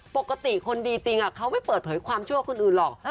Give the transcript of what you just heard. ปกติคนดีจริงเขาไม่เปิดเผยความชั่วคนอื่นหรอก